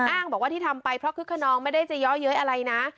อ้างบอกว่าที่ทำไปเพราะคึกขนองไม่ได้จะย้อเย้ยอะไรนะ